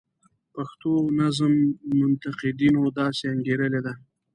پښتو نظم منتقدینو داسې انګیرلې ده.